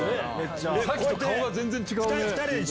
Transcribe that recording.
さっきと顔が全然違うね。